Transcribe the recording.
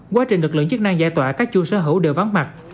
quá trình lực lượng chức năng giải tỏa các chủ sở hữu đều vắng mặt